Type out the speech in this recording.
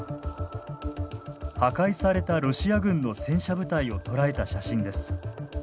破壊されたロシア軍の戦車部隊を捉えた写真です。